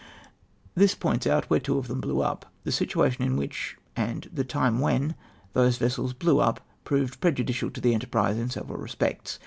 This points out where two of them blew up. The situation in which, and tlie time when, those vessels blew up, proved prejudicial to the enterprise in several respjects.